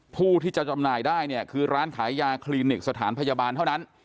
ผู้ที่จะจำหน่ายได้เนี่ยคือร้านขายยาคลินิกสถานพยาบาลเท่านั้น